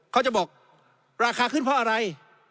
เขาจะบอกราคาขึ้นเพราะอะไร